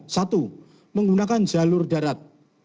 satu menggunakan jalur darat